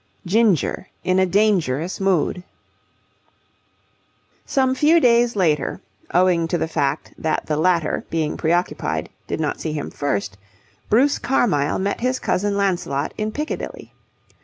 GINGER IN DANGEROUS MOOD Some few days later, owing to the fact that the latter, being preoccupied, did not see him first, Bruce Carmyle met his cousin Lancelot in Piccadilly.